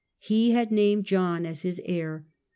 He had named John as his heir.